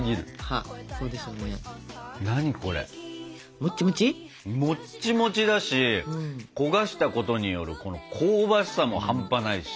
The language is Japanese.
もっちもち？もっちもちだし焦がしたことによる香ばしさも半端ないし。